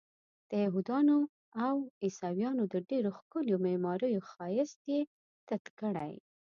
د یهودانو او عیسویانو د ډېرو ښکلیو معماریو ښایست یې تت کړی.